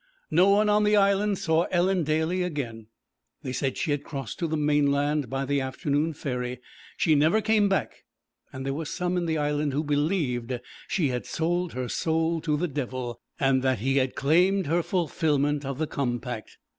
No one on the Island saw Ellen Daly again; they said she had crossed to the mainland by the afternoon ferry. She never came back, and there were some in the Island who believed she had sold her soul to the devil, and that he had claimed her fulfilment of the compact.